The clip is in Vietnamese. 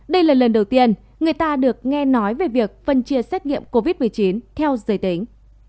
đây là lần đầu tiên người ta được nghe nói về việc phân chia xét nghiệm covid một mươi chín theo giới tính